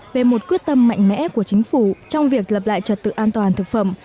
về một quyết tâm mạnh mẽ của chính phủ trong việc lập lại trật tự an toàn thực phẩm